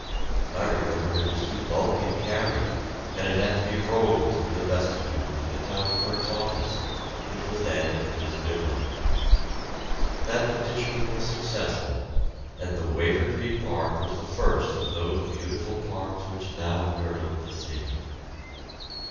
I remember it was too bulky to carry, and it had to be rolled through the vestibule to the Town Clerk's office, which was then in this building. That petition was successful, and the Wavertree Park was the first of those beautiful parks which now girdle the city.